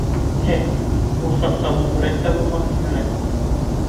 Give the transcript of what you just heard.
— Һе, ул саҡта был һүрәт тә булмаҫ ине лә.